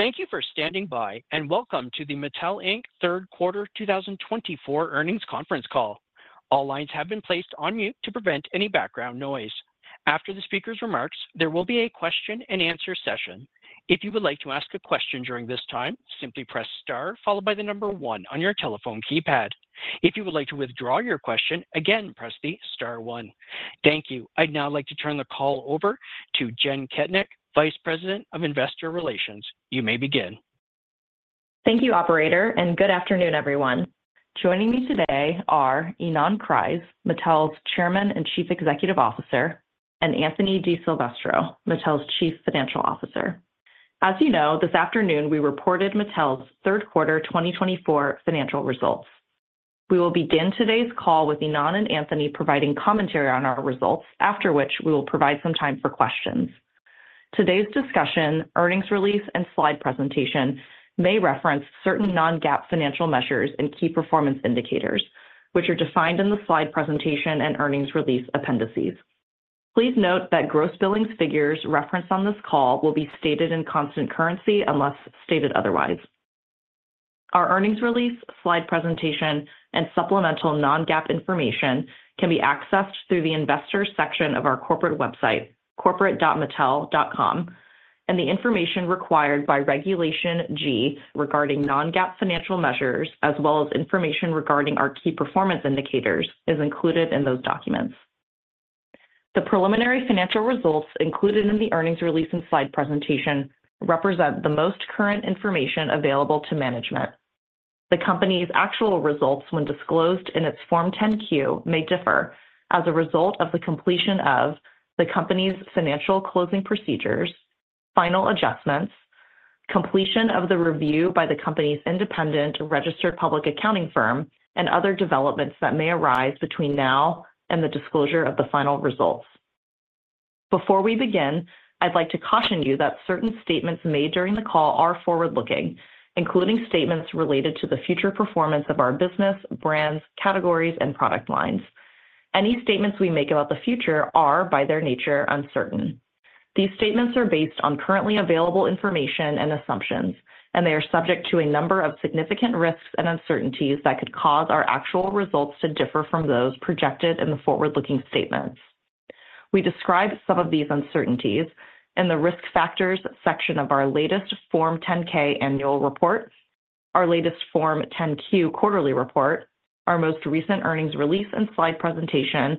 Thank you for standing by, and welcome to the Mattel Inc. Q3 two 2024 Earnings Conference Call. All lines have been placed on mute to prevent any background noise. After the speaker's remarks, there will be a question-and-answer session. If you would like to ask a question during this time, simply press star followed by the number one on your telephone keypad. If you would like to withdraw your question, again, press the star one. Thank you. I'd now like to turn the call over to Jenn Kettnich, Vice President of Investor Relations. You may begin. Thank you, operator, and good afternoon, everyone. Joining me today are Ynon Kreiz, Mattel's Chairman and Chief Executive Officer, and Anthony DiSilvestro, Mattel's Chief Financial Officer. As you know, this afternoon, we reported Mattel's Q3 2024r financial results. We will begin today's call with Ynon and Anthony providing commentary on our results, after which we will provide some time for questions. Today's discussion, earnings release, and slide presentation may reference certain non-GAAP financial measures and key performance indicators, which are defined in the slide presentation and earnings release appendices. Please note that gross billings figures referenced on this call will be stated in constant currency unless stated otherwise. Our earnings release, slide presentation, and supplemental non-GAAP information can be accessed through the investors section of our corporate website, corporate.mattel.com, and the information required by Regulation G regarding non-GAAP financial measures, as well as information regarding our key performance indicators, is included in those documents. The preliminary financial results included in the earnings release and slide presentation represent the most current information available to management. The Company's actual results, when disclosed in its Form 10-Q, may differ as a result of the completion of the company's financial closing procedures, final adjustments, completion of the review by the company's independent registered public accounting firm, and other developments that may arise between now and the disclosure of the final results. Before we begin, I'd like to caution you that certain statements made during the call are forward-looking, including statements related to the future performance of our business, brands, categories, and product lines. Any statements we make about the future are, by their nature, uncertain. These statements are based on currently available information and assumptions, and they are subject to a number of significant risks and uncertainties that could cause our actual results to differ from those projected in the forward-looking statements. We describe some of these uncertainties in the Risk Factors section of our latest Form 10-K annual report, our latest Form 10-Q quarterly report, our most recent earnings release and slide presentation,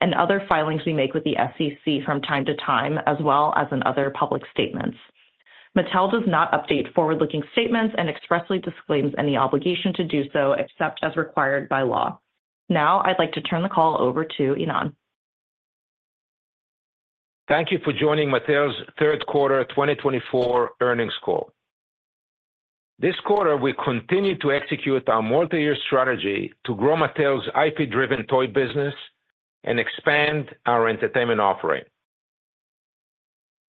and other filings we make with the SEC from time to time, as well as in other public statements. Mattel does not update forward-looking statements and expressly disclaims any obligation to do so, except as required by law. Now, I'd like to turn the call over to Ynon. Thank you for joining Mattel's Q3 2024 Earnings Call. This quarter, we continued to execute our multi-year strategy to grow Mattel's IP-driven toy business and expand our entertainment offering.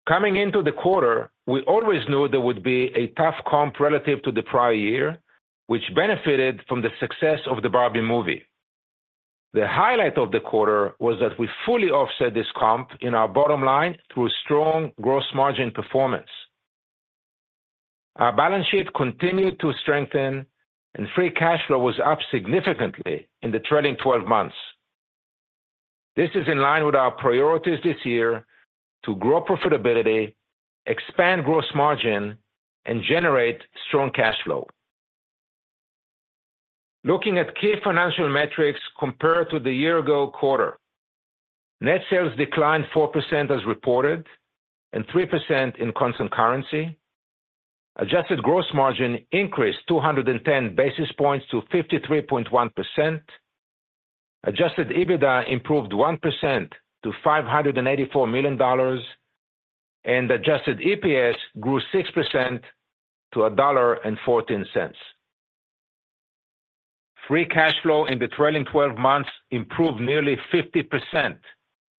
Coming into the quarter, we always knew there would be a tough comp relative to the prior year, which benefited from the success of the Barbie movie. The highlight of the quarter was that we fully offset this comp in our bottom line through strong gross margin performance. Our balance sheet continued to strengthen, and free cash flow was up significantly in the trailing twelve months. This is in line with our priorities this year to grow profitability, expand gross margin, and generate strong cash flow. Looking at key financial metrics compared to the year-ago quarter. Net sales declined 4% as reported and 3% in constant currency. Adjusted gross margin increased 210 basis points to 53.1%. Adjusted EBITDA improved 1% to $584 million, and adjusted EPS grew 6% to $1.14. Free cash flow in the trailing twelve months improved nearly 50%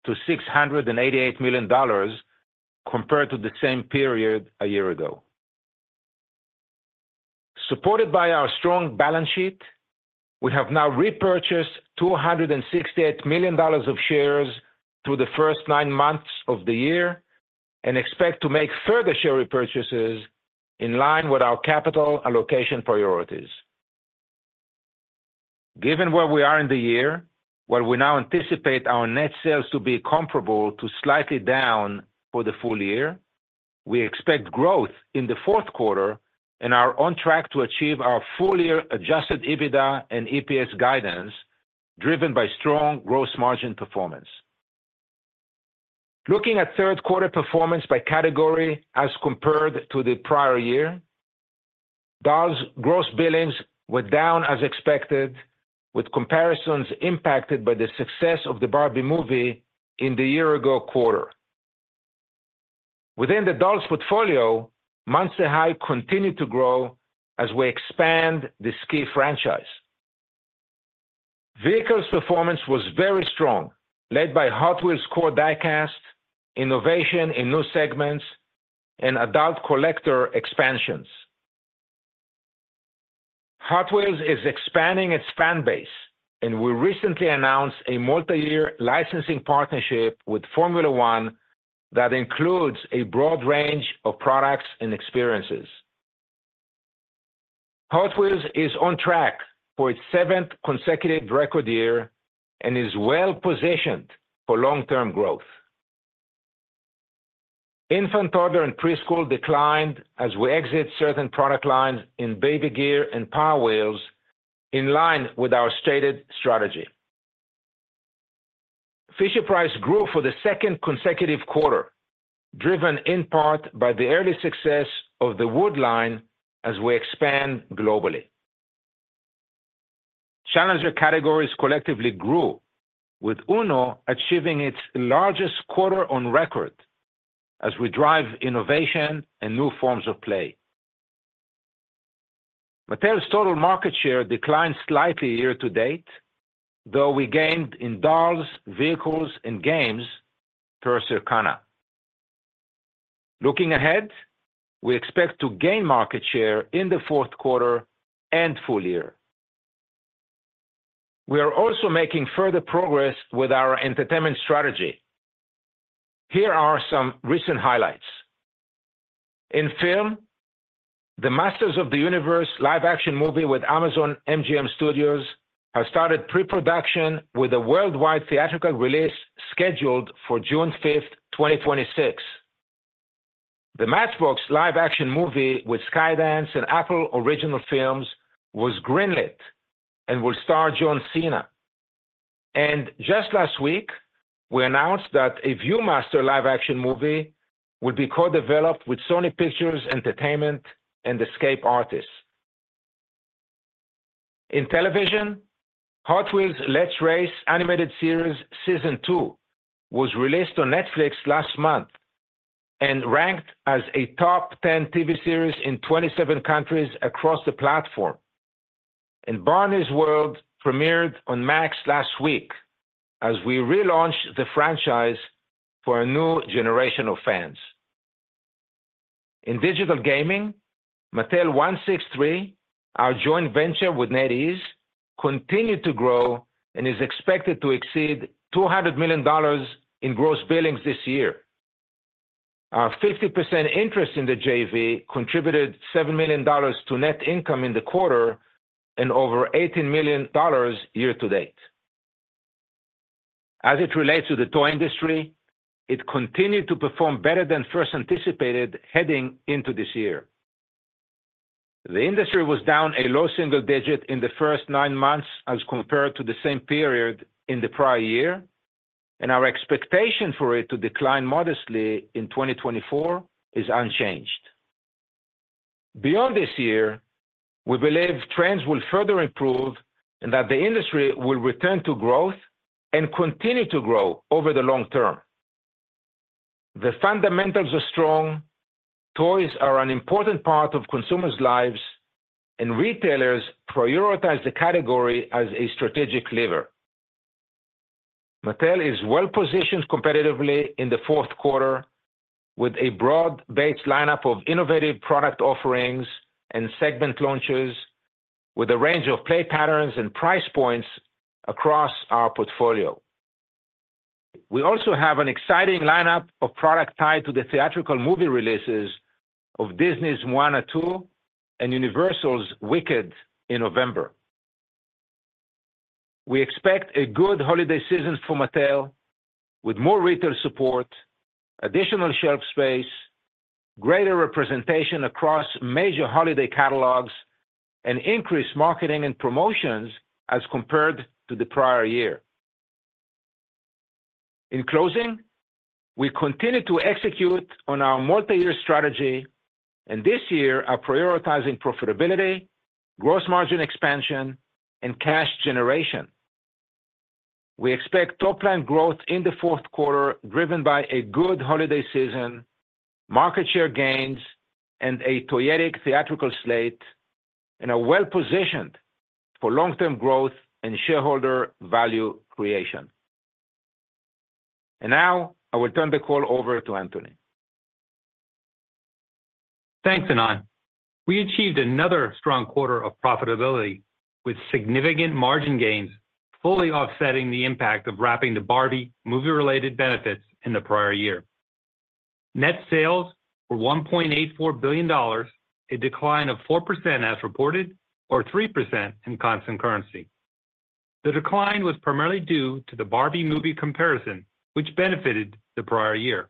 to $688 million compared to the same period a year ago. Supported by our strong balance sheet, we have now repurchased $268 million of shares through the first nine months of the year and expect to make further share repurchases in line with our capital allocation priorities. Given where we are in the year, where we now anticipate our net sales to be comparable to slightly down for the full year, we expect growth in the Q4 and are on track to achieve our full-year Adjusted EBITDA and EPS guidance, driven by strong gross margin performance. Looking at Q3 performance by category as compared to the prior year, Dolls' gross billings were down as expected, with comparisons impacted by the success of the Barbie movie in the year-ago quarter. Within the Dolls portfolio, Monster High continued to grow as we expand the Scare franchise. Vehicles performance was very strong, led by Hot Wheels core die-cast, innovation in new segments, and adult collector expansions. Hot Wheels is expanding its fan base, and we recently announced a multi-year licensing partnership with Formula 1 that includes a broad range of products and experiences. Hot Wheels is on track for its seventh consecutive record year and is well positioned for long-term growth. Infant, Toddler, and Preschool declined as we exit certain product lines in baby gear and Power Wheels in line with our stated strategy. Fisher-Price grew for the second consecutive quarter, driven in part by the early success of the Wood line as we expand globally. Challenger Categories collectively grew, with Uno achieving its largest quarter on record as we drive innovation and new forms of play. Mattel's total market share declined slightly year to date, though we gained in dolls, vehicles, and games per Circana. Looking ahead, we expect to gain market share in the Q4 and full year. We are also making further progress with our entertainment strategy. Here are some recent highlights. In film, the Masters of the Universe live action movie with Amazon MGM Studios has started pre-production with a worldwide theatrical release scheduled for June fifth, 2026. The Matchbox live action movie with Skydance and Apple Original Films was greenlit and will star John Cena. And just last week, we announced that a View-Master live action movie would be co-developed with Sony Pictures Entertainment and Escape Artists. In television, Hot Wheels Let's Race animated series Season Two was released on Netflix last month and ranked as a top 10 TV series in 27 countries across the platform, and Barney's World premiered on Max last week as we relaunched the franchise for a new generation of fans. In digital gaming, Mattel163, our joint venture with NetEase, continued to grow and is expected to exceed $200 million in gross billings this year. Our 50% interest in the JV contributed $7 million to net income in the quarter and over $18 million year to date. As it relates to the toy industry, it continued to perform better than first anticipated heading into this year. The industry was down a low single digit in the first nine months as compared to the same period in the prior year, and our expectation for it to decline modestly in 2024 is unchanged. Beyond this year, we believe trends will further improve and that the industry will return to growth and continue to grow over the long term. The fundamentals are strong. Toys are an important part of consumers' lives, and retailers prioritize the category as a strategic lever. Mattel is well positioned competitively in the Q4 with a broad-based lineup of innovative product offerings and segment launches, with a range of play patterns and price points across our portfolio. We also have an exciting lineup of product tied to the theatrical movie releases of Disney's Moana 2 and Universal's Wicked in November. We expect a good holiday season for Mattel, with more retail support, additional shelf space, greater representation across major holiday catalogs, and increased marketing and promotions as compared to the prior year. In closing, we continue to execute on our multi-year strategy, and this year, are prioritizing profitability, gross margin expansion, and cash generation. We expect top line growth in the Q4, driven by a good holiday season, market share gains, and a toyetic theatrical slate, and are well positioned for long-term growth and shareholder value creation. Now, I will turn the call over to Anthony. Thanks, Ynon. We achieved another strong quarter of profitability with significant margin gains, fully offsetting the impact of wrapping the Barbie movie-related benefits in the prior year. Net sales were $1.84 billion, a decline of 4% as reported, or 3% in constant currency. The decline was primarily due to the Barbie movie comparison, which benefited the prior year.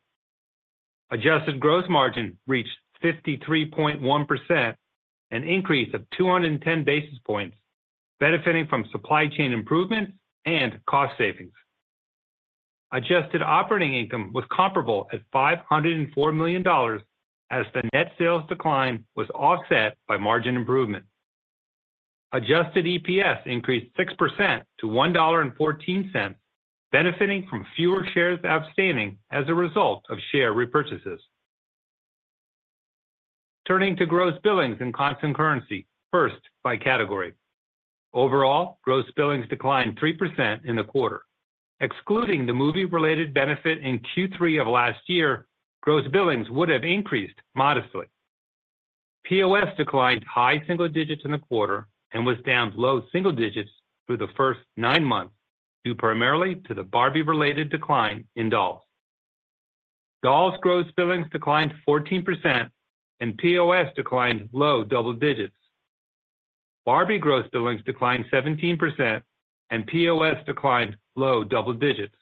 Adjusted gross margin reached 53.1%, an increase of 210 basis points, benefiting from supply chain improvements and cost savings. Adjusted operating income was comparable at $504 million, as the net sales decline was offset by margin improvement. Adjusted EPS increased 6% to $1.14, benefiting from fewer shares outstanding as a result of share repurchases. Turning to gross billings in constant currency, first by category. Overall, gross billings declined 3% in the quarter. Excluding the movie-related benefit in Q3 of last year, gross billings would have increased modestly. POS declined high single digits in the quarter and was down low single digits through the first nine months, due primarily to the Barbie-related decline in dolls. Dolls' gross billings declined 14% and POS declined low double digits. Barbie gross billings declined 17% and POS declined low double digits.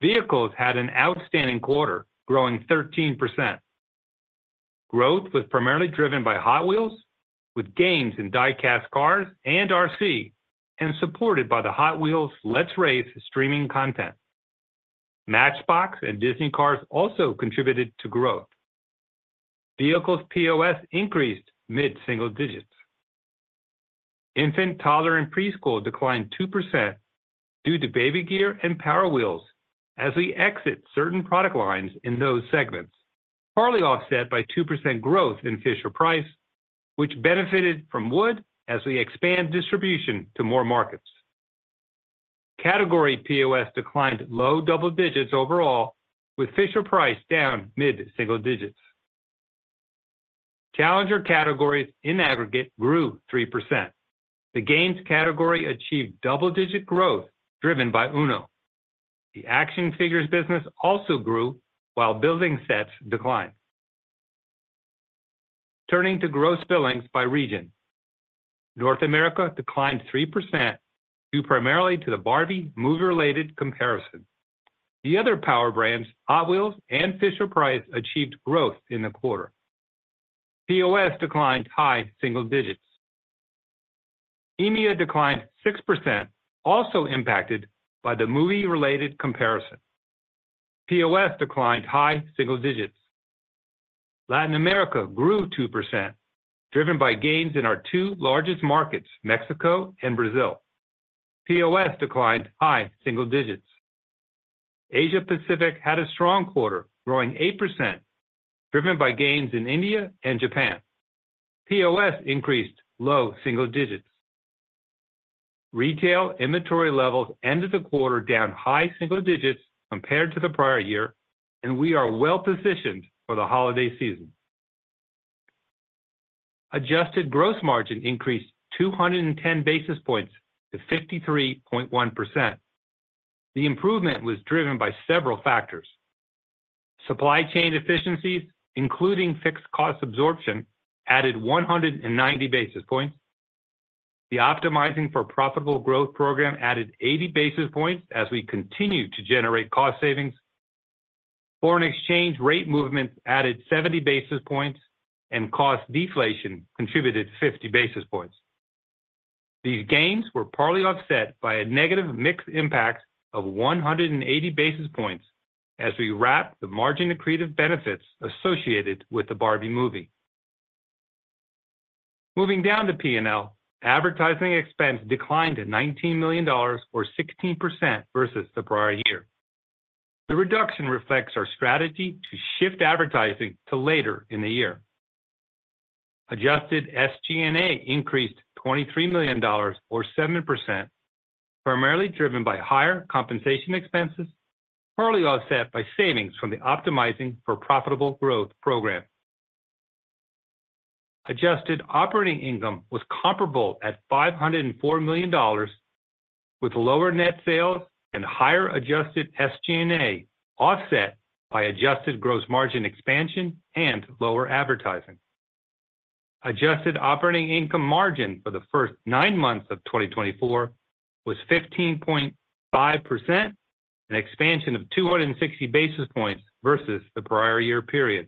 Vehicles had an outstanding quarter, growing 13%. Growth was primarily driven by Hot Wheels, with gains in die-cast cars and RC, and supported by the Hot Wheels Let's Race! streaming content. Matchbox and Disney Cars also contributed to growth. Vehicles POS increased mid-single digits. Infant, Toddler, and Preschool declined 2% due to baby gear and Power Wheels as we exit certain product lines in those segments, partly offset by 2% growth in Fisher-Price, which benefited from wood as we expand distribution to more markets. Category POS declined low double digits overall, with Fisher-Price down mid-single digits. Challenger Categories in aggregate grew 3%. The games category achieved double-digit growth, driven by Uno. The action figures business also grew, while building sets declined. Turning to gross billings by region. North America declined 3%, due primarily to the Barbie movie-related comparison. The other power brands, Hot Wheels and Fisher-Price, achieved growth in the quarter. POS declined high single digits. EMEA declined 6%, also impacted by the movie-related comparison. POS declined high single digits. Latin America grew 2%, driven by gains in our two largest markets, Mexico and Brazil. POS declined high single digits. Asia Pacific had a strong quarter, growing 8%, driven by gains in India and Japan. POS increased low single digits. Retail inventory levels ended the quarter down high single digits compared to the prior year, and we are well positioned for the holiday season. Adjusted gross margin increased 210 basis points to 53.1%. The improvement was driven by several factors. Supply chain efficiencies, including fixed cost absorption, added 190 basis points. The Optimizing for Profitable Growth program added 80 basis points as we continue to generate cost savings. Foreign exchange rate movements added 70 basis points, and cost deflation contributed 50 basis points. These gains were partly offset by a negative mix impact of 180 basis points as we wrap the margin-accretive benefits associated with the Barbie movie. Moving down to P&L, advertising expense declined to $19 million or 16% versus the prior year. The reduction reflects our strategy to shift advertising to later in the year. Adjusted SG&A increased $23 million or 7%, primarily driven by higher compensation expenses, partly offset by savings from the Optimizing for Profitable Growth program. Adjusted operating income was comparable at $504 million, with lower net sales and higher adjusted SG&A, offset by adjusted gross margin expansion and lower advertising. Adjusted operating income margin for the first nine months of 2024 was 15.5%, an expansion of 260 basis points versus the prior year period.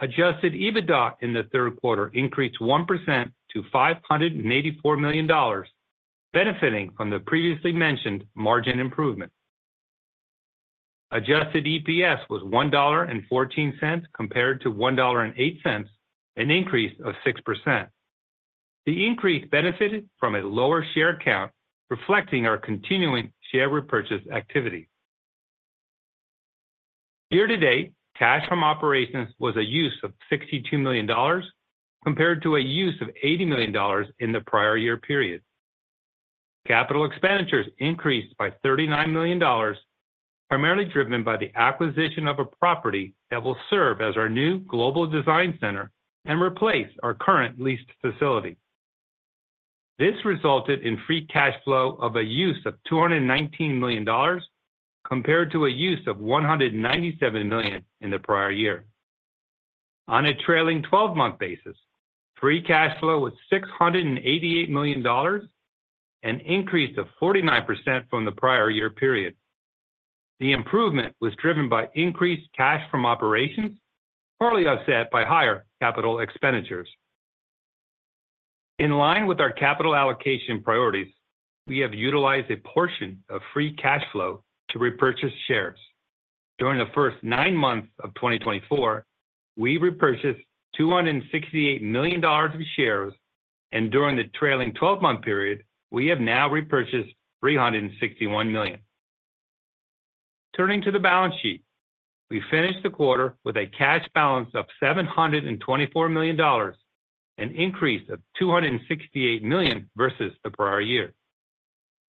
Adjusted EBITDA in the Q3 increased 1% to $584 million, benefiting from the previously mentioned margin improvement. Adjusted EPS was $1.14, compared to $1.08, an increase of 6%. The increase benefited from a lower share count, reflecting our continuing share repurchase activity. Year to date, cash from operations was a use of $62 million, compared to a use of $80 million in the prior year period. Capital Expenditures increased by $39 million, primarily driven by the acquisition of a property that will serve as our new global design center and replace our current leased facility. This resulted in Free Cash Flow of a use of $219 million, compared to a use of $197 million in the prior year. On a trailing twelve-month basis, Free Cash Flow was $688 million, an increase of 49% from the prior year period. The improvement was driven by increased cash from operations, partly offset by higher capital expenditures. In line with our capital allocation priorities, we have utilized a portion of free cash flow to repurchase shares. During the first nine months of 2024, we repurchased $268 million of shares, and during the trailing twelve-month period, we have now repurchased $361 million. Turning to the balance sheet, we finished the quarter with a cash balance of $724 million, an increase of $268 million versus the prior year.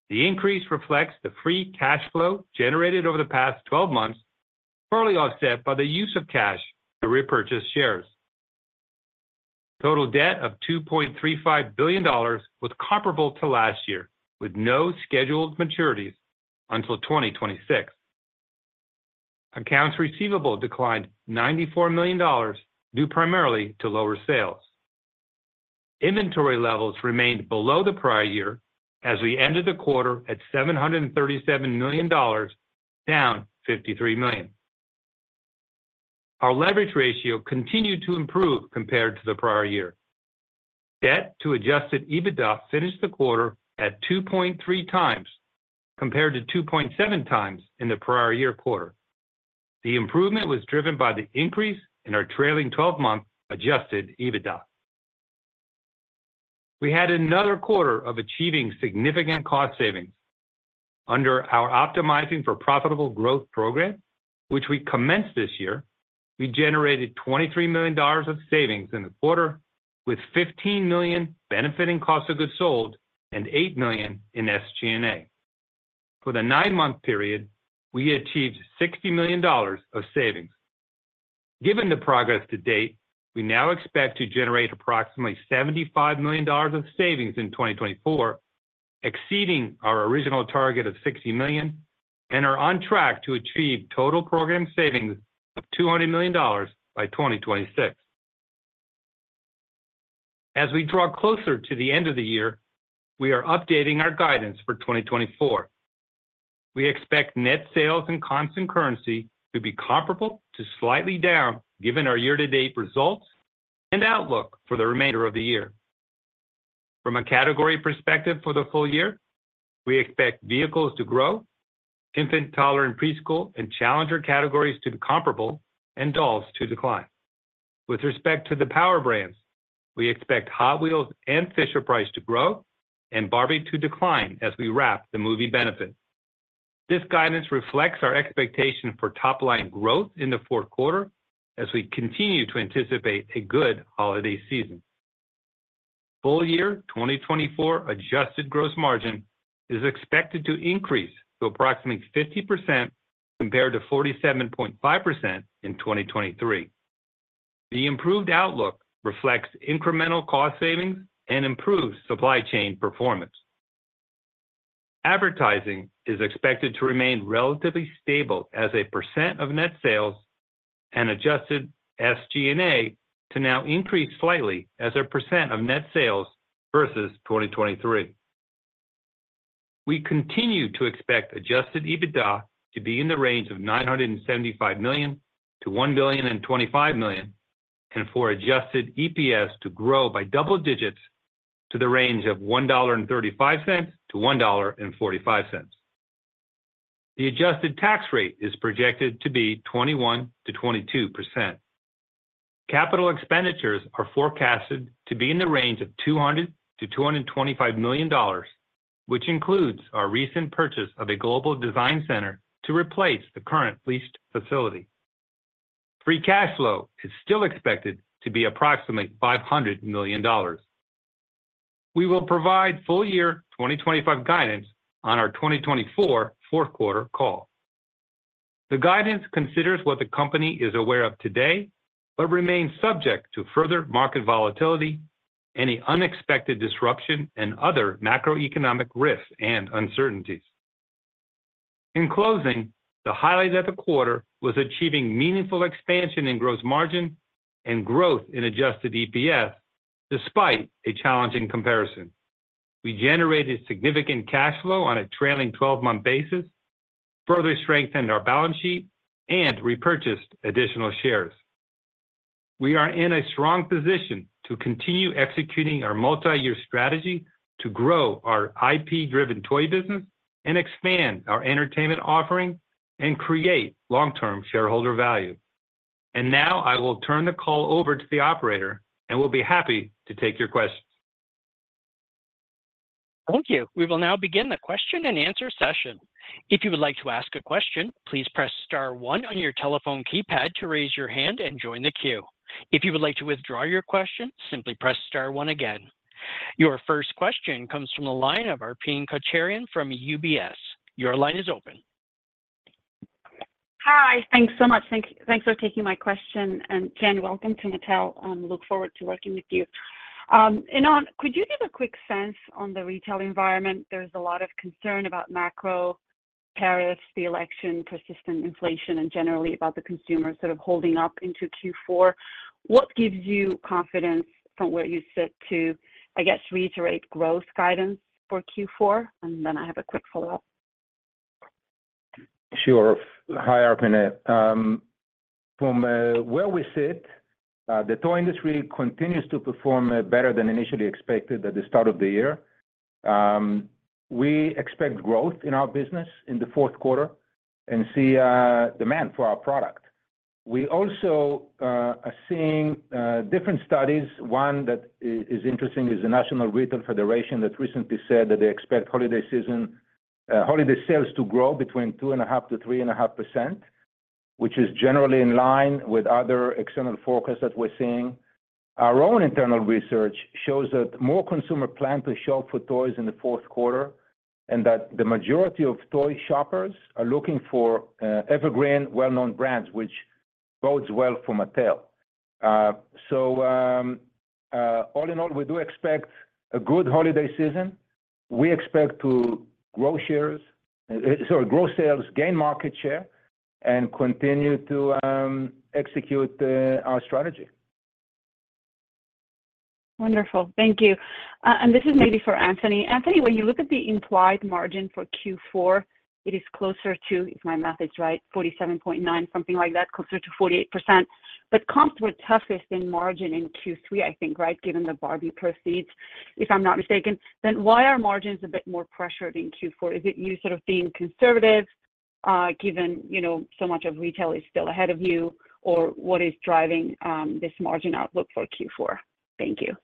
The increase reflects the free cash flow generated over the past twelve months, partly offset by the use of cash to repurchase shares. Total debt of $2.35 billion was comparable to last year, with no scheduled maturities until 2026. Accounts receivable declined $94 million, due primarily to lower sales. Inventory levels remained below the prior year as we ended the quarter at $737 million, down $53 million. Our leverage ratio continued to improve compared to the prior year. Debt to adjusted EBITDA finished the quarter at 2.3 times, compared to 2.7 times in the prior year quarter. The improvement was driven by the increase in our trailing 12-month adjusted EBITDA. We had another quarter of achieving significant cost savings. Under our Optimizing for Profitable Growth program, which we commenced this year, we generated $23 million of savings in the quarter, with $15 million benefiting cost of goods sold and $8 million in SG&A. For the nine-month period, we achieved $60 million of savings. Given the progress to date, we now expect to generate approximately $75 million of savings in 2024, exceeding our original target of $60 million, and are on track to achieve total program savings of $200 million by 2026. As we draw closer to the end of the year, we are updating our guidance for 2024. We expect net sales and constant currency to be comparable to slightly down, given our year-to-date results and outlook for the remainder of the year. From a category perspective for the full year, we expect vehicles to grow, infant, toddler, and preschool and challenger categories to be comparable, and dolls to decline. With respect to the power brands, we expect Hot Wheels and Fisher-Price to grow and Barbie to decline as we wrap the movie benefit. This guidance reflects our expectation for top-line growth in the Q4 as we continue to anticipate a good holiday season. Full year 2024 adjusted gross margin is expected to increase to approximately 50%, compared to 47.5% in 2023. The improved outlook reflects incremental cost savings and improved supply chain performance. Advertising is expected to remain relatively stable as a percent of net sales and adjusted SG&A to now increase slightly as a percent of net sales versus 2023. We continue to expect adjusted EBITDA to be in the range of $975 million to 1.025 billion, and for adjusted EPS to grow by double digits to the range of $1.35 to 1.45. The adjusted tax rate is projected to be 21% to 22%. Capital expenditures are forecasted to be in the range of $200 to 225 million, which includes our recent purchase of a global design center to replace the current leased facility. Free cash flow is still expected to be approximately $500 million. We will provide full year 2025 guidance on our 2024 Q4 call. The guidance considers what the company is aware of today, but remains subject to further market volatility, any unexpected disruption, and other macroeconomic risks and uncertainties. In closing, the highlight of the quarter was achieving meaningful expansion in gross margin and growth in adjusted EPS, despite a challenging comparison. We generated significant cash flow on a trailing twelve-month basis, further strengthened our balance sheet, and repurchased additional shares. We are in a strong position to continue executing our multi-year strategy to grow our IP-driven toy business and expand our entertainment offering and create long-term shareholder value, and now I will turn the call over to the operator, and we'll be happy to take your questions. Thank you. We will now begin the question and answer session. If you would like to ask a question, please press star one on your telephone keypad to raise your hand and join the queue. If you would like to withdraw your question, simply press star one again. Your first question comes from the line of Arpine Kocharian from UBS. Your line is open. Hi, thanks so much. Thanks for taking my question. And, Jenn, welcome to Mattel, look forward to working with you. Ynon, could you give a quick sense on the retail environment? There's a lot of concern about macro, tariffs, the election, persistent inflation, and generally about the consumer sort of holding up into Q4. What gives you confidence from where you sit to, I guess, reiterate growth guidance for Q4? And then I have a quick follow-up. Sure. Hi, Arpine. From where we sit, the toy industry continues to perform better than initially expected at the start of the year. We expect growth in our business in the Q4 and see demand for our product. .We also are seeing different studies. One that is interesting is the National Retail Federation that recently said that they expect holiday season holiday sales to grow between 2.5% to 3.5%, which is generally in line with other external forecasts that we're seeing. Our own internal research shows that more consumers plan to shop for toys in the Q4, and that the majority of toy shoppers are looking for evergreen, well-known brands, which bodes well for Mattel. So all in all, we do expect a good holiday season. We expect to grow shares, sorry, grow sales, gain market share, and continue to execute our strategy. Wonderful. Thank you. And this is maybe for Anthony. Anthony, when you look at the implied margin for Q4, it is closer to, if my math is right, 47.9, something like that, closer to 48%. But comps were toughest in margin in Q3, I think, right, given the Barbie proceeds, if I'm not mistaken, then why are margins a bit more pressured in Q4? Is it you sort of being conservative, given, you know, so much of retail is still ahead of you, or what is driving this margin outlook for Q4? Thank you.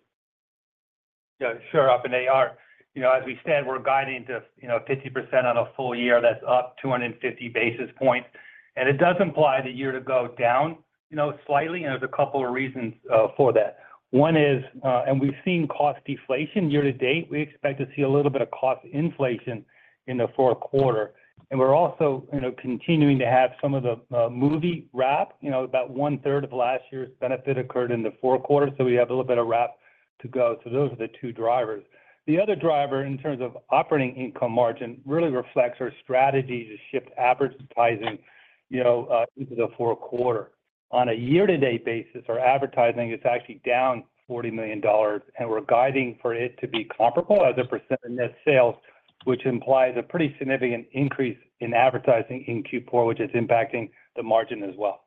Yeah, sure, often they are. You know, as we said, we're guiding to, you know, 50% on a full year, that's up two hundred and fifty basis points. And it does imply the year to go down, you know, slightly, and there's a couple of reasons for that. One is, and we've seen cost deflation year to date. We expect to see a little bit of cost inflation in the Q4. And we're also, you know, continuing to have some of the, the movie wrap. You know, about one-third of last year's benefit occurred in the Q4, so we have a little bit of wrap to go. So those are the two drivers. The other driver, in terms of operating income margin, really reflects our strategy to shift advertising, you know, into the Q4. On a year-to-date basis, our advertising is actually down $40 million, and we're guiding for it to be comparable as a percent of net sales, which implies a pretty significant increase in advertising in Q4, which is impacting the margin as well.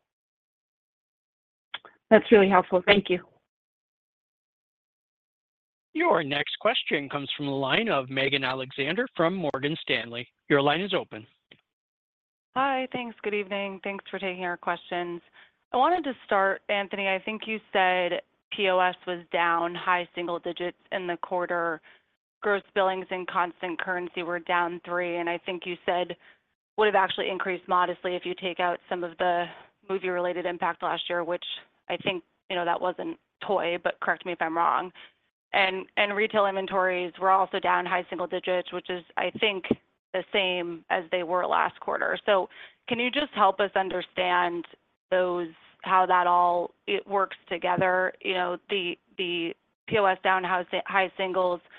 That's really helpful. Thank you. Your next question comes from the line of Megan Alexander from Morgan Stanley. Your line is open. Hi, thanks. Good evening. Thanks for taking our questions. I wanted to start, Anthony. I think you said POS was down high single digits in the quarter. Gross billings in constant currency were down three, and I think you said would have actually increased modestly if you take out some of the movie-related impact last year, which I think, you know, that wasn't toy, but correct me if I'm wrong. And retail inventories were also down high single digits, which is, I think, the same as they were last quarter. So can you just help us understand those, how that all works together? You know, the POS down high single digits,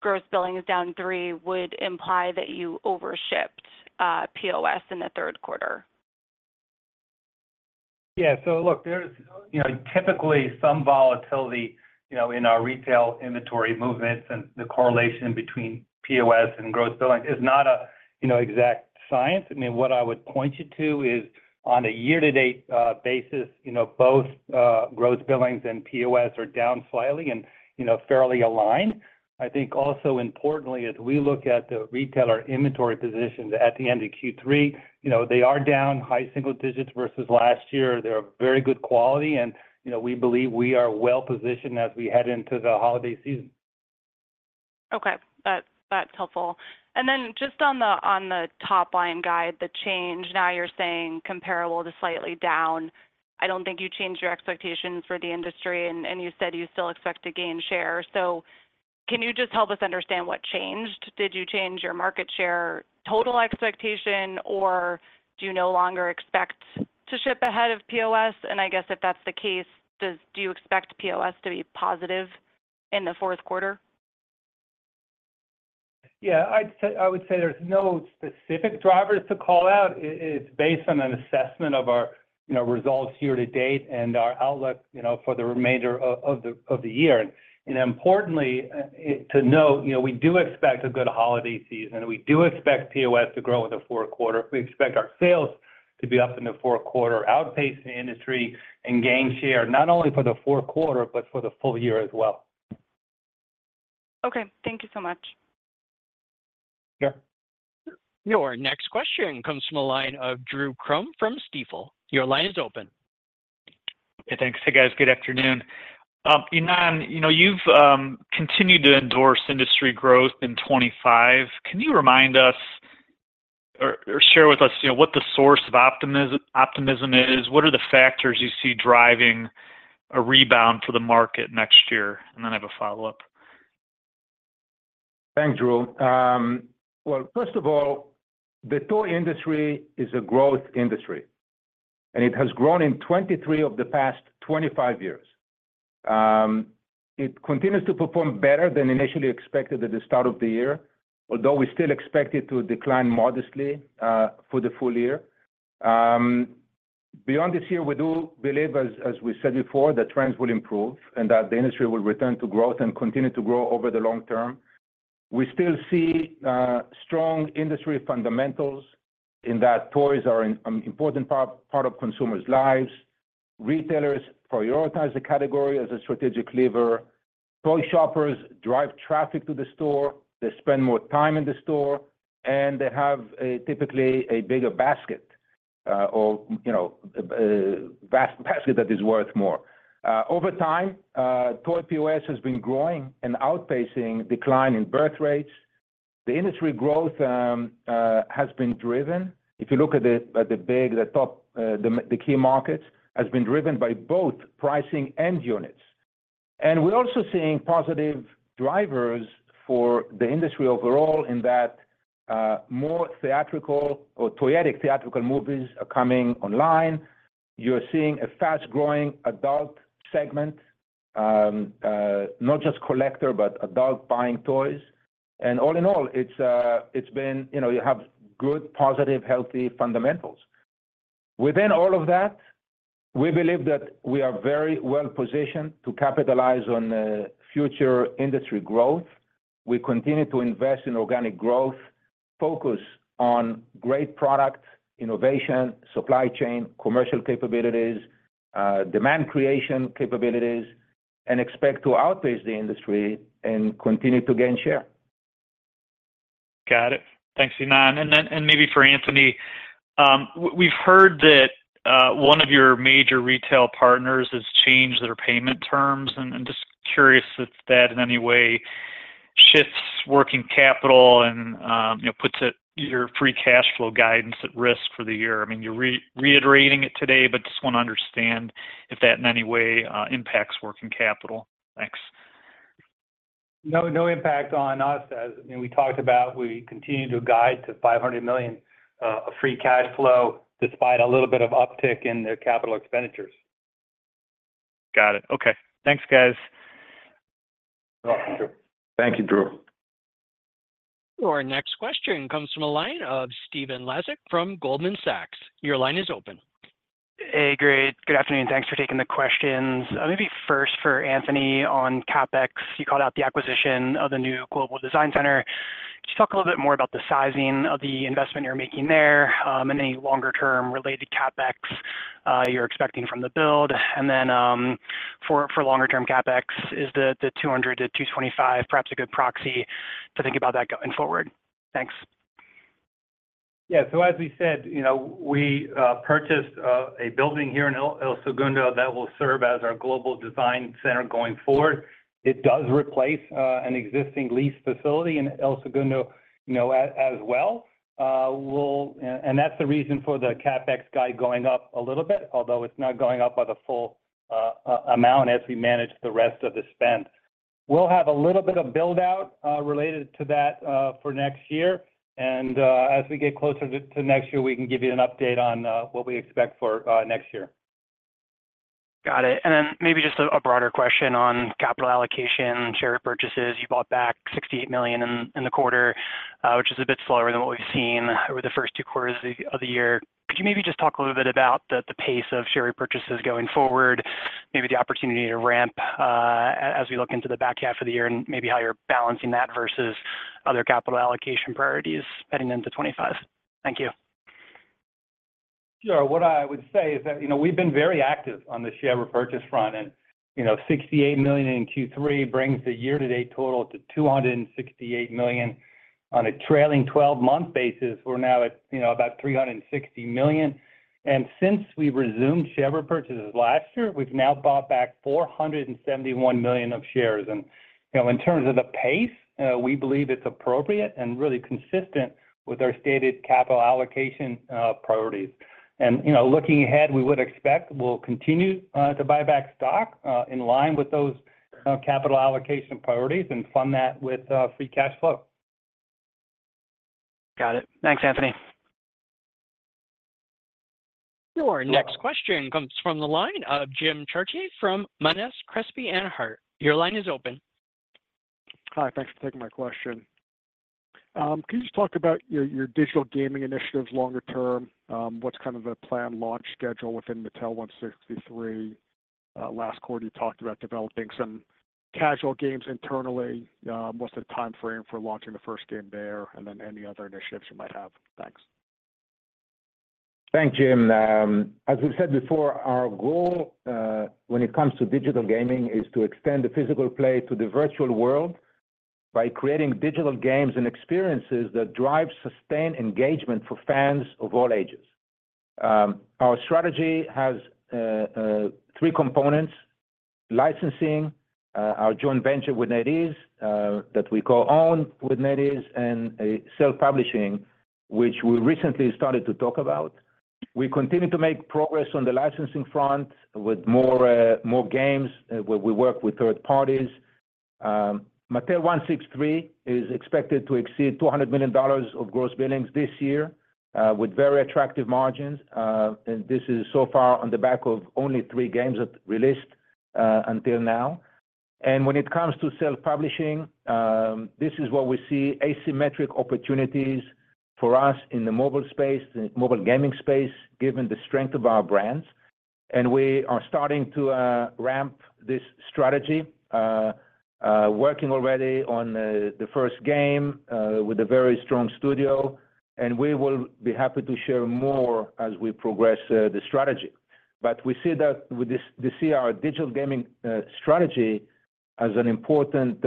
gross billings down three would imply that you over shipped POS in the Q3. Yeah. So look, there's, you know, typically some volatility, you know, in our retail inventory movements and the correlation between POS and gross billing is not a, you know, exact science. I mean, what I would point you to is on a year-to-date basis, you know, both gross billings and POS are down slightly and, you know, fairly aligned. I think also importantly, as we look at the retailer inventory positions at the end of Q3, you know, they are down high single digits versus last year. They're very good quality and, you know, we believe we are well positioned as we head into the holiday season. Okay, that's helpful. And then just on the top line guide, the change, now you're saying comparable to slightly down. I don't think you changed your expectations for the industry, and you said you still expect to gain share. So can you just help us understand what changed? Did you change your market share total expectation, or do you no longer expect to ship ahead of POS? And I guess if that's the case, does the company expect POS to be positive in the Q4? Yeah, I would say there's no specific drivers to call out. It's based on an assessment of our, you know, results year to date and our outlook, you know, for the remainder of the year. And importantly, to note, you know, we do expect a good holiday season. We do expect POS to grow in the Q4. We expect our sales to be up in the Q4, outpacing the industry and gain share, not only for the Q4, but for the full year as well. Okay. Thank you so much. Sure. Your next question comes from the line of Drew Crum from Stifel. Your line is open. Hey, thanks. Hey, guys, good afternoon. Ynon, you know, you've continued to endorse industry growth in 25. Can you remind us or share with us, you know, what the source of optimism is? What are the factors you see driving a rebound for the market next year? And then I have a follow-up. Thanks, Drew. Well, first of all, the toy industry is a growth industry, and it has grown in 23 of the past 25 years. It continues to perform better than initially expected at the start of the year, although we still expect it to decline modestly for the full year. Beyond this year, we do believe, as we said before, that trends will improve and that the industry will return to growth and continue to grow over the long term. We still see strong industry fundamentals in that toys are an important part of consumers' lives. Retailers prioritize the category as a strategic lever. Toy shoppers drive traffic to the store, they spend more time in the store, and they have typically a bigger basket, you know, basket that is worth more. Over time, toy POS has been growing and outpacing decline in birth rates. The industry growth has been driven. If you look at the, at the big, the top, the key markets, has been driven by both pricing and units. And we're also seeing positive drivers for the industry overall, in that, more theatrical or toyetic theatrical movies are coming online. You're seeing a fast-growing adult segment, not just collector, but adult buying toys. And all in all, it's been, you know, you have good, positive, healthy fundamentals. Within all of that, we believe that we are very well positioned to capitalize on future industry growth. We continue to invest in organic growth, focus on great product, innovation, supply chain, commercial capabilities, demand creation capabilities, and expect to outpace the industry and continue to gain share. Got it. Thanks, Ynon. And then, and maybe for Anthony, we've heard that one of your major retail partners has changed their payment terms, and just curious if that in any way shifts working capital and, you know, puts it, your free cash flow guidance at risk for the year. I mean, you're reiterating it today, but just wanna understand if that in any way impacts working capital. Thanks. No, no impact on us. As, you know, we talked about, we continue to guide to $500 million free cash flow despite a little bit of uptick in the capital expenditures. Got it. Okay. Thanks, guys. You're welcome, Drew. Thank you, Drew. Our next question comes from the line of Stephen Laszczyk from Goldman Sachs. Your line is open. Hey, great. Good afternoon, thanks for taking the questions. Maybe first for Anthony on CapEx, you called out the acquisition of the new global design center. Just talk a little bit more about the sizing of the investment you're making there, and any longer term related CapEx you're expecting from the build. Then, for longer term CapEx, is the 200 to 225 perhaps a good proxy to think about that going forward? Thanks. Yeah. So as we said, you know, we purchased a building here in El Segundo that will serve as our global design center going forward. It does replace an existing lease facility in El Segundo, you know, as well. And that's the reason for the CapEx guide going up a little bit, although it's not going up by the full amount as we manage the rest of the spend. We'll have a little bit of build out related to that for next year, and as we get closer to next year, we can give you an update on what we expect for next year. Got it. And then maybe just a broader question on capital allocation, share purchases. You bought back $68 million in the quarter, which is a bit slower than what we've seen over the first two quarters of the year. Could you maybe just talk a little bit about the pace of share purchases going forward, maybe the opportunity to ramp as we look into the back half of the year, and maybe how you're balancing that versus other capital allocation priorities heading into 2025? Thank you. Sure. What I would say is that, you know, we've been very active on the share repurchase front and, you know, $68 million in Q3 brings the year-to-date total to $268 million. On a trailing twelve-month basis, we're now at, you know, about $360 million, and since we resumed share purchases last year, we've now bought back $471 million of shares. And, you know, in terms of the pace, we believe it's appropriate and really consistent with our stated capital allocation priorities. And, you know, looking ahead, we would expect we'll continue to buy back stock in line with those capital allocation priorities and fund that with free cash flow. Got it. Thanks, Anthony. Our next question comes from the line of Jim Chartier from Monness, Crespi, & Hardt. Your line is open. Hi, thanks for taking my question. Can you just talk about your digital gaming initiatives longer term? What's kind of a planned launch schedule within Mattel163? Last quarter, you talked about developing some casual games internally. What's the time frame for launching the first game there, and then any other initiatives you might have? Thanks. Thanks, Jim. As we've said before, our goal when it comes to digital gaming is to extend the physical play to the virtual world by creating digital games and experiences that drive sustained engagement for fans of all ages. Our strategy has three components: licensing, our joint venture with NetEase that we co-own with NetEase, and self-publishing, which we recently started to talk about. We continue to make progress on the licensing front with more games where we work with third parties. Mattel163 is expected to exceed $200 million of gross billings this year with very attractive margins. And this is so far on the back of only three games that released until now. And when it comes to self-publishing, this is where we see asymmetric opportunities for us in the mobile space, in mobile gaming space, given the strength of our brands. And we are starting to ramp this strategy, working already on the first game with a very strong studio, and we will be happy to share more as we progress the strategy. But we see that with this, we see our digital gaming strategy as an important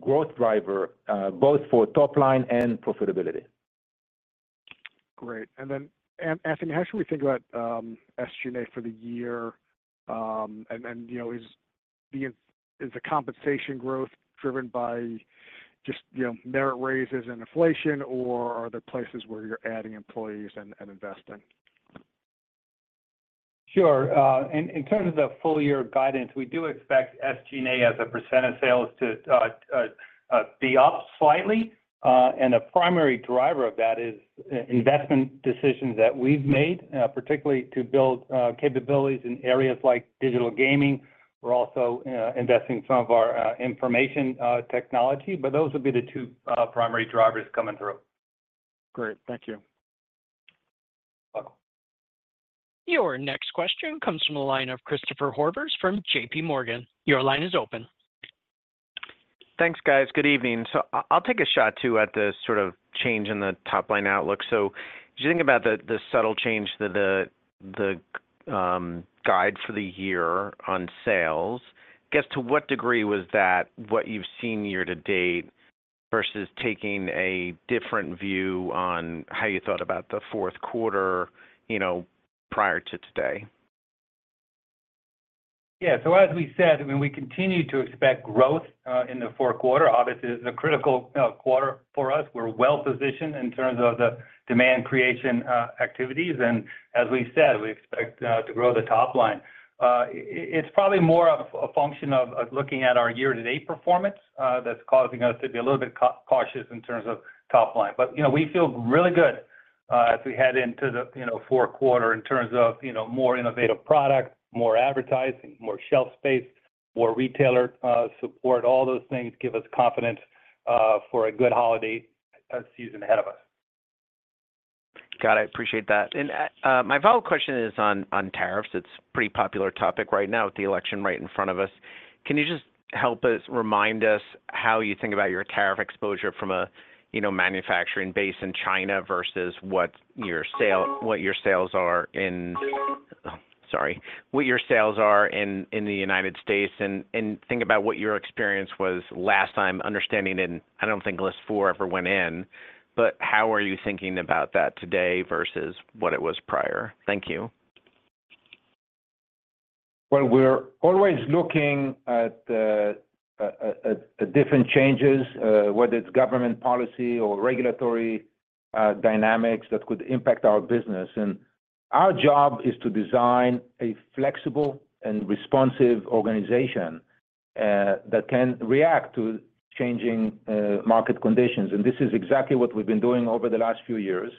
growth driver, both for top line and profitability. Great. And then, Anthony, how should we think about SG&A for the year? And then, you know, is the compensation growth driven by just, you know, merit raises and inflation, or are there places where you're adding employees and investing? Sure. In terms of the full year guidance, we do expect SG&A as a percent of sales to be up slightly. And the primary driver of that is investment decisions that we've made, particularly to build capabilities in areas like digital gaming. We're also investing some of our information technology, but those would be the two primary drivers coming through. Great. Thank you. Welcome. Your next question comes from the line of Christopher Horvers from JP Morgan. Your line is open. Thanks, guys. Good evening. So I, I'll take a shot too, at the sort of change in the top line outlook. So as you think about the subtle change to the guide for the year on sales, I guess, to what degree was that what you've seen year to date versus taking a different view on how you thought about the Q4, you know, prior to today? Yeah. So as we said, I mean, we continue to expect growth in the Q4. Obviously, it's a critical quarter for us. We're well positioned in terms of the demand creation activities, and as we said, we expect to grow the top line. It's probably more of a function of looking at our year-to-date performance that's causing us to be a little bit cautious in terms of top line. But, you know, we feel really good as we head into the, you know, Q4 in terms of, you know, more innovative products, more advertising, more shelf space, more retailer support. All those things give us confidence for a good holiday season ahead of us. Got it. I appreciate that. And my follow-up question is on tariffs. It's a pretty popular topic right now with the election right in front of us. Can you just help us remind us how you think about your tariff exposure from a you know manufacturing base in China versus what your sales are in the United States, and think about what your experience was last time understanding, and I don't think List 4 ever went in, but how are you thinking about that today versus what it was prior? Thank you. We're always looking at different changes, whether it's government policy or regulatory dynamics that could impact our business. Our job is to design a flexible and responsive organization that can react to changing market conditions. This is exactly what we've been doing over the last few years.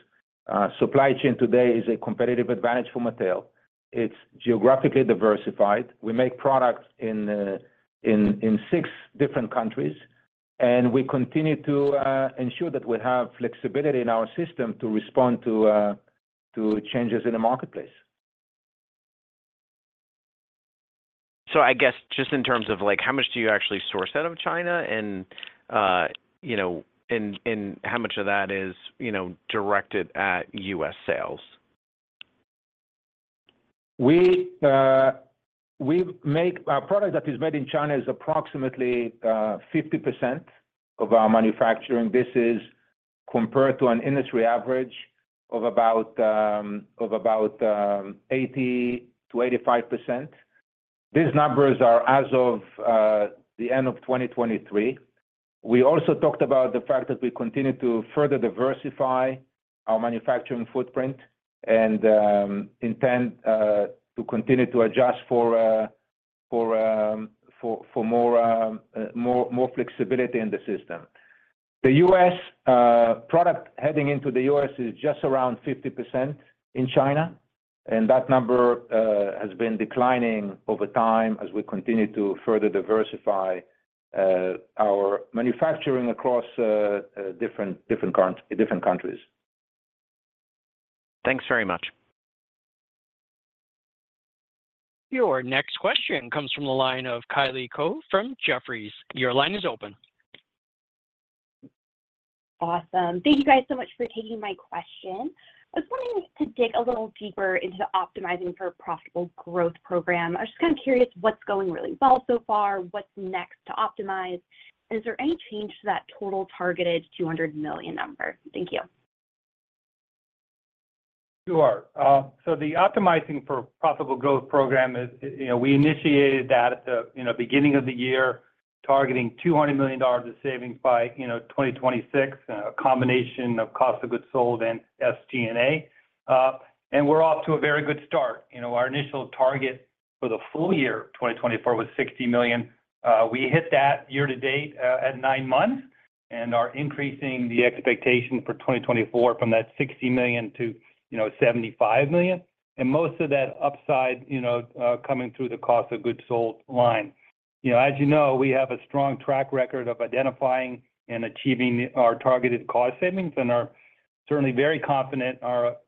Supply chain today is a competitive advantage for Mattel. It's geographically diversified. We make products in six different countries, and we continue to ensure that we have flexibility in our system to respond to changes in the marketplace. So I guess just in terms of, like, how much do you actually source out of China? And, you know, and how much of that is, you know, directed at US sales? Our product that is made in China is approximately 50% of our manufacturing. This is compared to an industry average of about 80% to 85%. These numbers are as of the end of 2023. We also talked about the fact that we continue to further diversify our manufacturing footprint and intend to continue to adjust for more flexibility in the system. The U.S. product heading into the U.S. is just around 50% in China, and that number has been declining over time as we continue to further diversify our manufacturing across different countries. Thanks very much. Your next question comes from the line of Kylie Cohu from Jefferies. Your line is open. Awesome. Thank you guys so much for taking my question. I was wanting to dig a little deeper into the Optimizing for Profitable Growth program. I'm just kind of curious what's going really well so far, what's next to optimize, and is there any change to that total targeted $200 million number? Thank you. Sure. So the Optimizing for Profitable Growth program is, you know, we initiated that at the, you know, beginning of the year, targeting $200 million of savings by, you know, 2026, a combination of cost of goods sold and SG&A, and we're off to a very good start. You know, our initial target for the full year of 2024 was $60 million. We hit that year to date at nine months and are increasing the expectation for 2024 from that $60 million to, you know, $75 million, and most of that upside, you know, coming through the cost of goods sold line. You know, as you know, we have a strong track record of identifying and achieving our targeted cost savings and are certainly very confident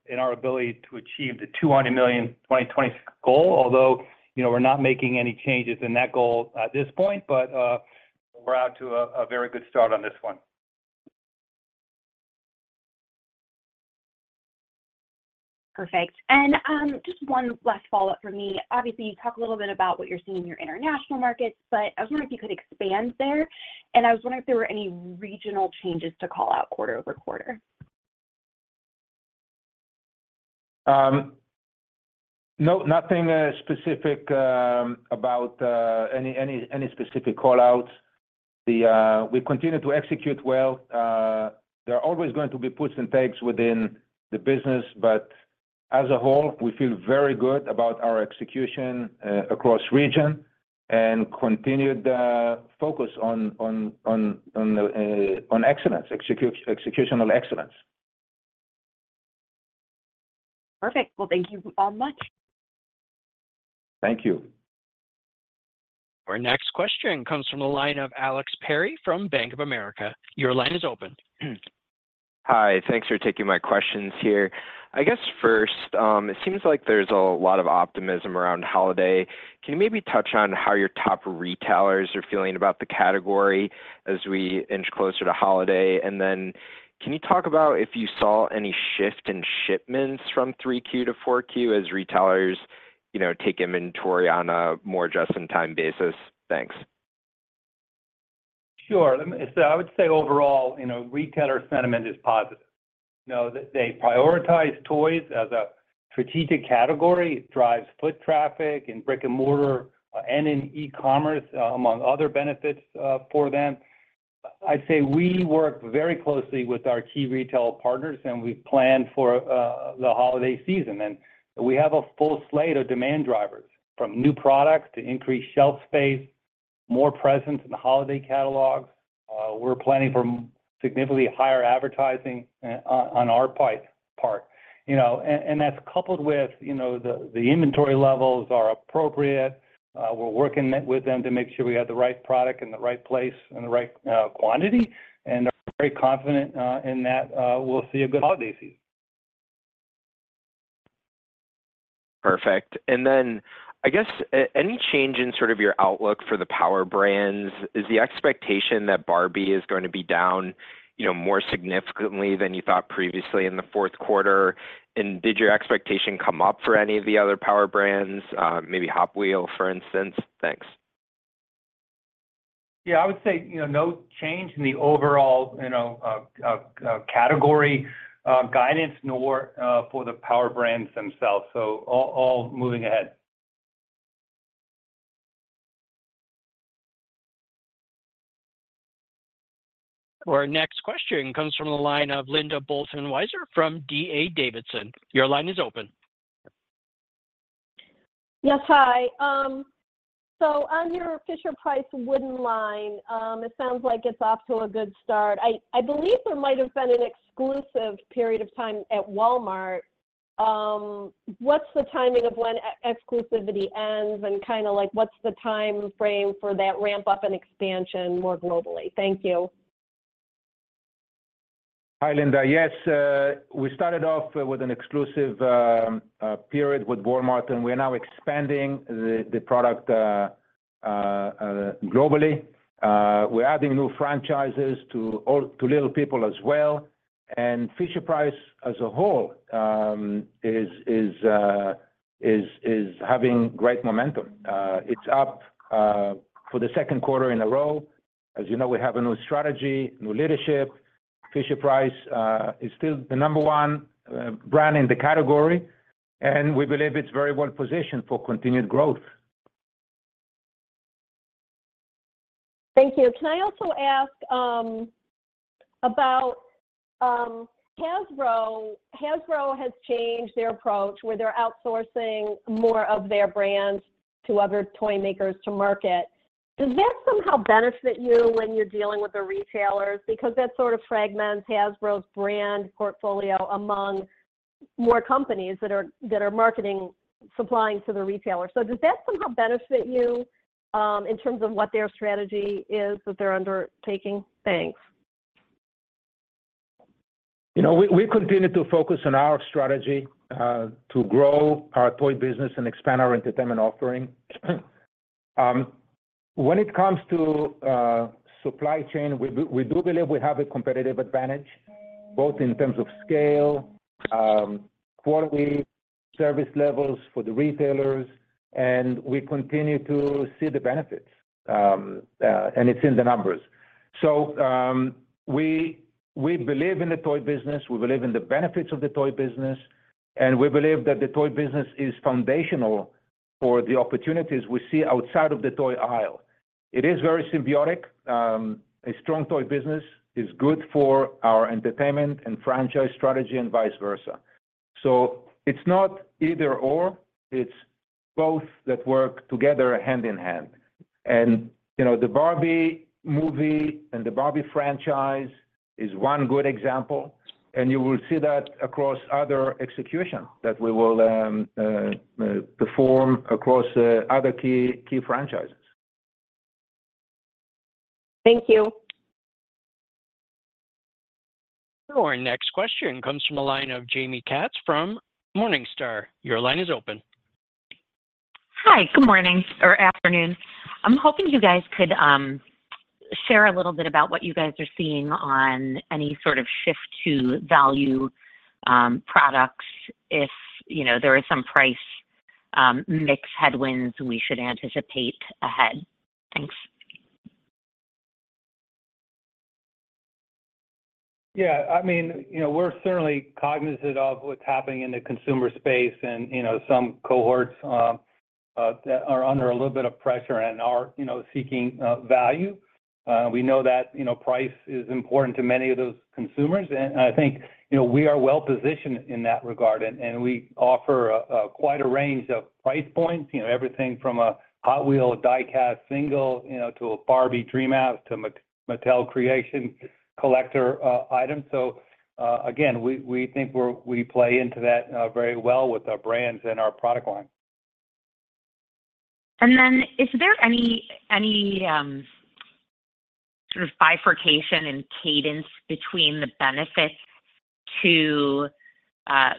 in our ability to achieve the $200 million 2026 goal, although, you know, we're not making any changes in that goal at this point, but we're out to a very good start on this one. Perfect. And, just one last follow-up for me. Obviously, you talked a little bit about what you're seeing in your international markets, but I was wondering if you could expand there, and I was wondering if there were any regional changes to call out quarter-over-quarter? No, nothing specific about any specific call-outs. We continue to execute well. There are always going to be puts and takes within the business, but as a whole, we feel very good about our execution across region and continued focus on excellence, executional excellence. Perfect. Well, thank you so much. Thank you. Our next question comes from the line of Alex Perry from Bank of America. Your line is open. Hi. Thanks for taking my questions here. I guess first, it seems like there's a lot of optimism around holiday. Can you maybe touch on how your top retailers are feeling about the category as we inch closer to holiday? And then can you talk about if you saw any shift in shipments from Q3 to Q4 as retailers, you know, take inventory on a more just-in-time basis? Thanks. Sure. So I would say overall, you know, retailer sentiment is positive. You know, they prioritize toys as a strategic category. It drives foot traffic in brick-and-mortar and in e-commerce, among other benefits, for them. I'd say we work very closely with our key retail partners, and we plan for the holiday season. And we have a full slate of demand drivers, from new products to increased shelf space, more presence in the holiday catalog. We're planning for significantly higher advertising on our part, you know. And that's coupled with, you know, the inventory levels are appropriate. We're working with them to make sure we have the right product in the right place and the right quantity, and we're very confident in that we'll see a good holiday season. Perfect. And then, I guess, any change in sort of your outlook for the power brands? Is the expectation that Barbie is going to be down, you know, more significantly than you thought previously in the Q4? And did your expectation come up for any of the other power brands, maybe Hot Wheels, for instance? Thanks. Yeah, I would say, you know, no change in the overall, you know, category guidance, nor for the power brands themselves, so all moving ahead. Our next question comes from the line of Linda Bolton Weiser from D.A. Davidson. Your line is open. Yes, hi. So on your Fisher-Price wooden line, it sounds like it's off to a good start. I believe there might have been an exclusive period of time at Walmart. What's the timing of when exclusivity ends, and kinda like, what's the time frame for that ramp up and expansion more globally? Thank you. Hi, Linda. Yes, we started off with an exclusive period with Walmart, and we are now expanding the product globally. We're adding new franchises to Little People as well. Fisher-Price as a whole is having great momentum. It's up for the Q4 in a row. As you know, we have a new strategy, new leadership. Fisher-Price is still the number one brand in the category, and we believe it's very well positioned for continued growth. Thank you. Can I also ask about Hasbro? Hasbro has changed their approach, where they're outsourcing more of their brands to other toymakers to market. Does that somehow benefit you when you're dealing with the retailers? Because that sort of fragments Hasbro's brand portfolio among more companies that are marketing, supplying to the retailer. So does that somehow benefit you in terms of what their strategy is that they're undertaking? Thanks. You know, we continue to focus on our strategy to grow our toy business and expand our entertainment offering. When it comes to supply chain, we do believe we have a competitive advantage, both in terms of scale, quarterly service levels for the retailers, and we continue to see the benefits, and it's in the numbers. So, we believe in the toy business, we believe in the benefits of the toy business, and we believe that the toy business is foundational for the opportunities we see outside of the toy aisle. It is very symbiotic. A strong toy business is good for our entertainment and franchise strategy and vice versa. So it's not either or, it's both that work together hand in hand. You know, the Barbie movie and the Barbie franchise is one good example, and you will see that across other execution that we will perform across other key franchises. Thank you. Our next question comes from the line of Jamie Katz from Morningstar. Your line is open.... Hi, good morning or afternoon. I'm hoping you guys could share a little bit about what you guys are seeing on any sort of shift to value products, if, you know, there are some price mix headwinds we should anticipate ahead? Thanks. Yeah. I mean, you know, we're certainly cognizant of what's happening in the consumer space and, you know, some cohorts that are under a little bit of pressure and are, you know, seeking value. We know that, you know, price is important to many of those consumers, and I think, you know, we are well positioned in that regard, and we offer quite a range of price points. You know, everything from a Hot Wheels die-cast single, you know, to a Barbie Dreamhouse to Mattel Creations collector items. So, again, we think we're we play into that very well with our brands and our product line. And then is there any sort of bifurcation and cadence between the benefits to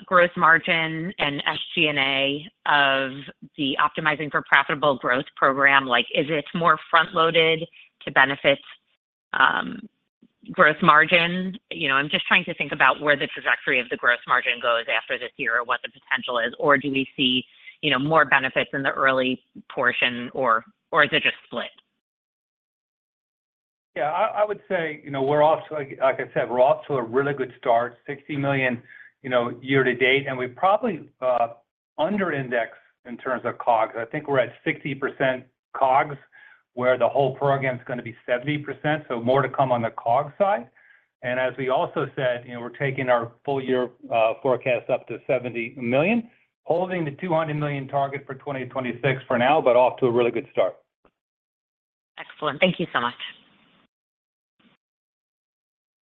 gross margin and SG&A of the Optimizing for Profitable Growth program? Like, is it more front-loaded to benefit gross margin? You know, I'm just trying to think about where the trajectory of the gross margin goes after this year or what the potential is. Or do we see, you know, more benefits in the early portion, or is it just split? Yeah, I would say, you know, we're off to a really good start, $60 million, you know, year to date, and we probably under indexed in terms of COGS. I think we're at 60% COGS, where the whole program is gonna be 70%, so more to come on the COGS side. And as we also said, you know, we're taking our full year forecast up to $70 million, holding the $200 million target for 2026 for now, but off to a really good start. Excellent. Thank you so much.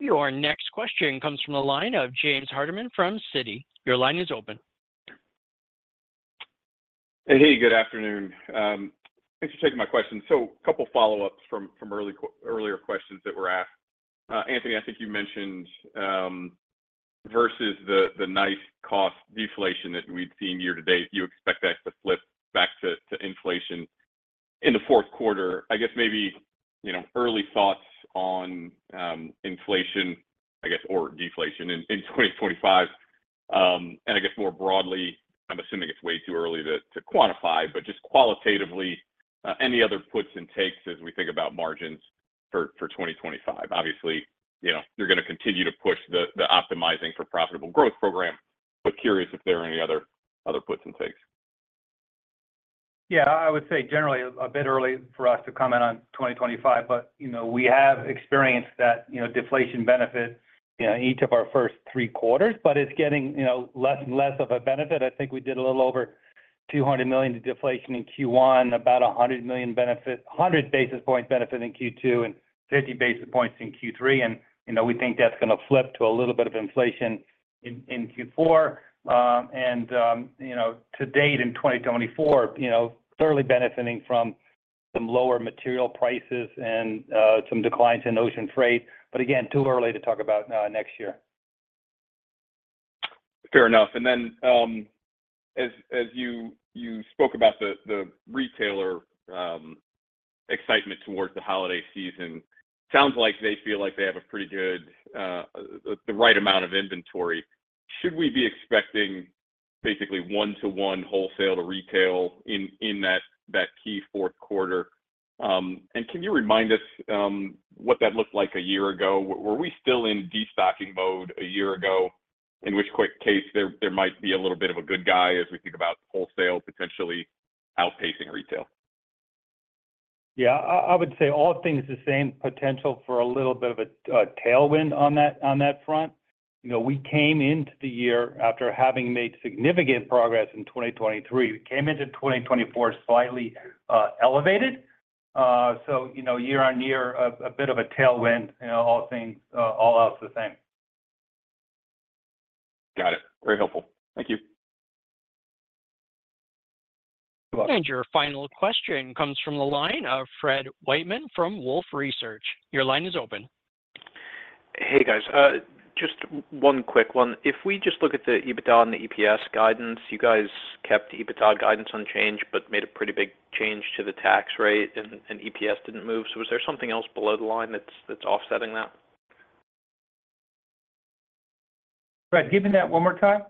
Your next question comes from the line of James Hardiman from Citi. Your line is open. Hey, good afternoon. Thanks for taking my question. So a couple follow-ups from earlier questions that were asked. Anthony, I think you mentioned versus the nice cost deflation that we've seen year to date, you expect that to flip back to inflation in the Q4. I guess maybe, you know, early thoughts on inflation, I guess, or deflation in 2025. And I guess more broadly, I'm assuming it's way too early to quantify, but just qualitatively, any other puts and takes as we think about margins for 2025. Obviously, you know, you're gonna continue to push the Optimizing for Profitable Growth program, but curious if there are any other puts and takes. Yeah, I would say generally a bit early for us to comment on 2025, but, you know, we have experienced that, you know, deflation benefit in each of our first three quarters, but it's getting, you know, less and less of a benefit. I think we did a little over two hundred million to deflation in Q1, about a hundred million benefit, hundred basis points benefit in Q2, and fifty basis points in Q3, and, you know, we think that's gonna flip to a little bit of inflation in Q4. And, you know, to date, in 2024, you know, thoroughly benefiting from some lower material prices and some declines in ocean freight. But again, too early to talk about next year. Fair enough. And then, as you spoke about the retailer excitement towards the holiday season, sounds like they feel like they have a pretty good, the right amount of inventory. Should we be expecting basically one to one wholesale to retail in that key Q4? And can you remind us what that looked like a year ago? Were we still in destocking mode a year ago? In which case, there might be a little bit of a tailwind as we think about wholesale potentially outpacing retail. Yeah, I would say all things the same potential for a little bit of a tailwind on that front. You know, we came into the year after having made significant progress in 2023. We came into 2024 slightly elevated. So, you know, year on year, a bit of a tailwind, you know, all things all else the same. Got it. Very helpful. Thank you. Your final question comes from the line of Fred Wightman from Wolfe Research. Your line is open. Hey, guys. Just one quick one. If we just look at the EBITDA and the EPS guidance, you guys kept EBITDA guidance unchanged, but made a pretty big change to the tax rate and EPS didn't move. So was there something else below the line that's offsetting that? Fred, give me that one more time?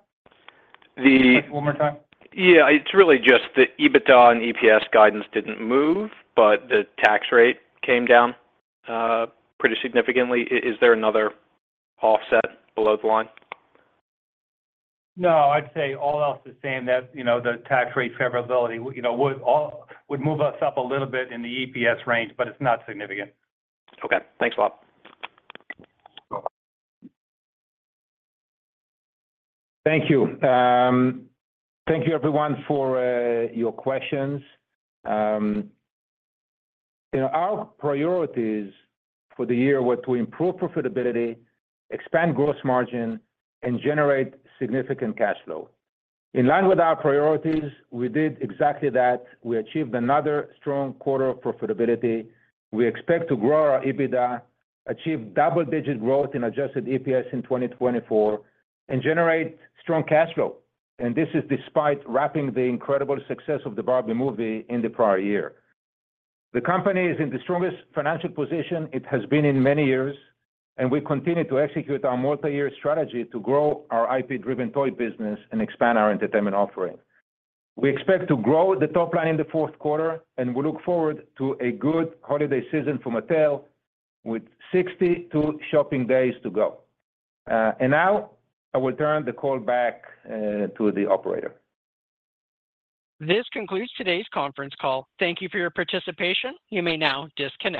The- One more time. Yeah, it's really just the EBITDA and EPS guidance didn't move, but the tax rate came down pretty significantly. Is there another offset below the line? No, I'd say all else the same, that, you know, the tax rate favorability, you know, would move us up a little bit in the EPS range, but it's not significant. Okay, thanks a lot. Thank you. Thank you everyone for your questions. You know, our priorities for the year were to improve profitability, expand gross margin, and generate significant cash flow. In line with our priorities, we did exactly that. We achieved another strong quarter of profitability. We expect to grow our EBITDA, achieve double-digit growth in adjusted EPS in 2024, and generate strong cash flow, and this is despite wrapping the incredible success of the Barbie movie in the prior year. The company is in the strongest financial position it has been in many years, and we continue to execute our multi-year strategy to grow our IP-driven toy business and expand our entertainment offering. We expect to grow the top line in the Q4, and we look forward to a good holiday season for Mattel with 62 shopping days to go. And now I will turn the call back to the operator. This concludes today's conference call. Thank you for your participation. You may now disconnect.